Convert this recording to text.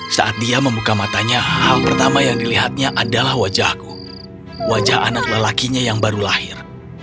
saat dia membuka matanya hal pertama yang dilihatnya adalah wajahku wajah anak lelakinya yang baru lahir